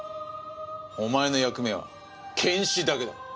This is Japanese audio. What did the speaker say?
お前の役目は検視だけだ。